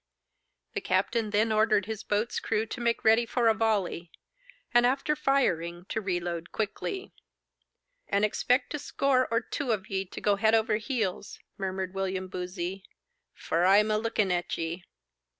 The captain then ordered his boat's crew to make ready for a volley, and after firing to re load quickly. 'And expect a score or two on ye to go head over heels,' murmured William Boozey; 'for I'm a looking at ye.